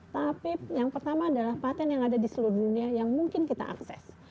tapi yang pertama adalah patent yang ada di seluruh dunia yang mungkin kita akses